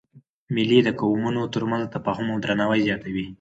مېلې د قومونو تر منځ تفاهم او درناوی زیاتوي.